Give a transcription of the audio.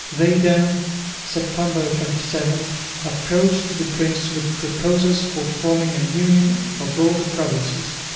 They then, Sept. 27, approached the prince with proposals for forming a union of all the provinces.